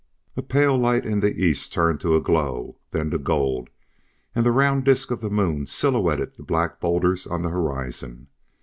A pale light in the east turned to a glow, then to gold, and the round disc of the moon silhouetted the black bowlders on the horizon.